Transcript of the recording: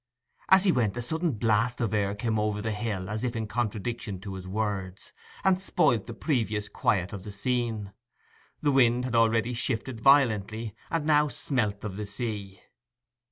As he went a sudden blast of air came over the hill as if in contradiction to his words, and spoilt the previous quiet of the scene. The wind had already shifted violently, and now smelt of the sea.